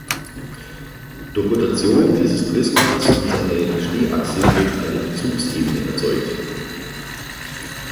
Durch Rotation dieses Prismas um seine Stehachse wird eine Bezugsebene erzeugt.